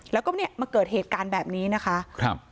แล้วก็เนี่ยมาเกิดเหตุการณ์แบบนี้นะคะครับ